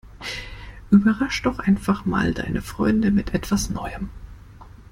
Überrasch' doch einfach mal deine Freunde mit etwas Neuem!